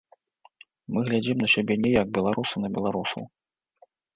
Мы глядзім на сябе не як беларусы на беларусаў.